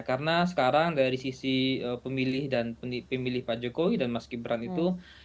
karena sekarang dari sisi pemilih dan pemilih pak jokowi dan mas gibran itu